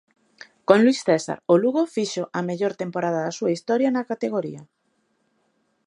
Con Luís César, o Lugo fixo a mellor temporada da súa historia na categoría.